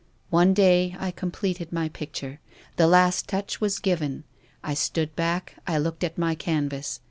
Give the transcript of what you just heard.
One day I completed my picture ; the last touch was given. I stood back, I looked at my canvas.